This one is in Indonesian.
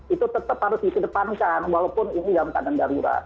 itu tetap harus didepankan walaupun ini dalam pandang darurat